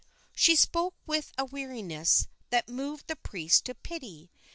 '" She spoke with a weariness that moved the priest to pity.